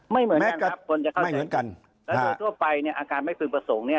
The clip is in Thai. ไม่เหมือนกันครับและโดยทั่วไปอาการไม่พึงประสงค์